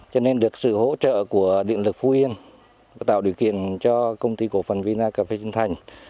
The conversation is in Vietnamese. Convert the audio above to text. cho nên được sự hỗ trợ của điện lực phú yên tạo điều kiện cho công ty cổ phần vina cà phê sinh thành